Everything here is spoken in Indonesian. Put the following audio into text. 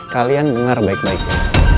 kalian dengar baik baiknya